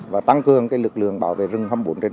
và tăng cường lực lượng bảo vệ rừng hai mươi bốn hai mươi bốn